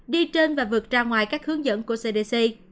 đi trên và vượt ra ngoài các hướng dẫn của cdc